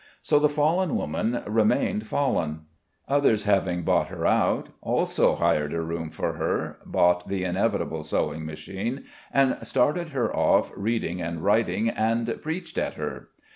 So the fallen woman remained fallen. Others after having bought her out also hired a room for her, bought the inevitable sewing machine and started her off reading and writing and preached at her.